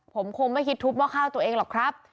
ผมคงไม่คิดทุบหม้อข้าวตัวเองหรอกครับ